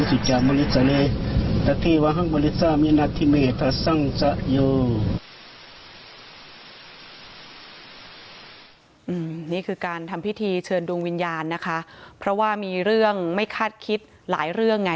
นี่คือการทำพิธีเชิญดวงวิญญาณนะคะเพราะว่ามีเรื่องไม่คาดคิดหลายเรื่องไง